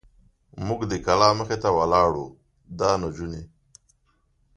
موږ د کلا مخې ته ولاړ و، دا نجونې.